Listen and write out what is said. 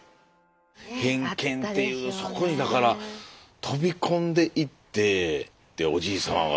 偏見っていうそこにだから飛び込んでいっておじいさまは。